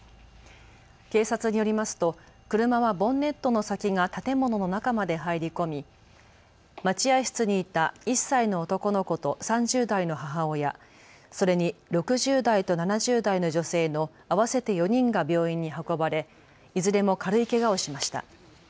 警察によりますと車はボンネットの先が建物の中まで入り込み待合室にいた１歳の男の子と３０代の母親、それに６０代と７０代の女性の合わせて４人が病院に運ばれ、いずれも軽いけがをしました。